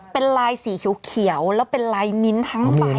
เป็นลายสีเขียวแล้วเป็นลายมิ้นทั้งใบ